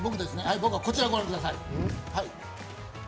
僕はこちら、ご覧ください。